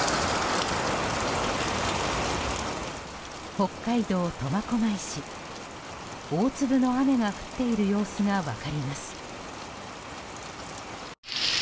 北海道苫小牧市、大粒の雨が降っている様子が分かります。